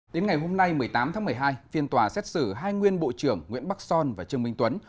đến ngày hôm nay một mươi tám tháng một mươi hai phiên tòa xét xử hai nguyên bộ trưởng nguyễn bắc son và trương minh tuấn